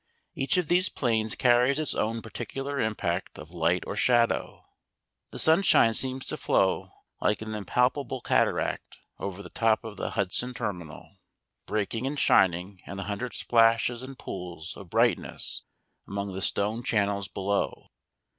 Each of these planes carries its own particular impact of light or shadow. The sunshine seems to flow like an impalpable cataract over the top of the Hudson Terminal, breaking and shining in a hundred splashes and pools of brightness among the stone channels below.